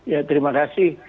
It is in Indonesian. ya terima kasih